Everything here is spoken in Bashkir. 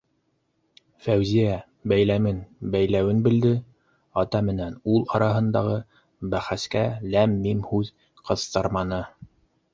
Фәүзиә бәйләмен бәйләүен белде, ата менән ул араһындағы бәхәскә ләм-мим һүҙ ҡыҫтырманы.